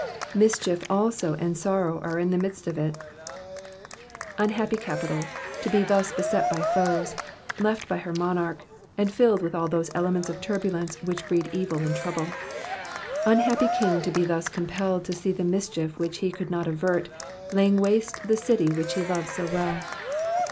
''^Mischief also and sorrow are in the midnt of it.^'' Unhappy capital to be thus beset by foes, left by her monarch, and filled with all those elements of turbulence which breed evil and trouble. Unhappy king to be thus compelled to see the mischief which he could not avert laying waste the city which he loved so well.